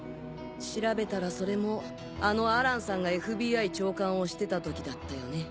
調べたらそれもあのアランさんがＦＢＩ長官をしてた時だったよね。